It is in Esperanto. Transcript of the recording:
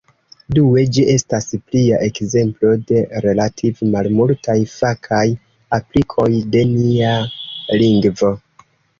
Due, ĝi estas plia ekzemplo de relative malmultaj fakaj aplikoj de nia lingvo.